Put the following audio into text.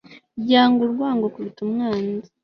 yanga Urwango kuruta umwanzi